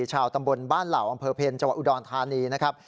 ชาวตำบลบ้านเหล่าอำเภอเพลจังหวัดอุดรธานีนะครับ